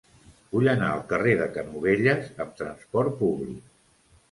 Vull anar al carrer de Canovelles amb trasport públic.